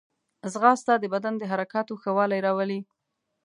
ځغاسته د بدن د حرکاتو ښه والی راولي